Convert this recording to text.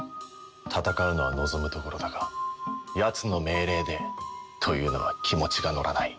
戦うのは望むところだがやつの命令でというのは気持ちが乗らない。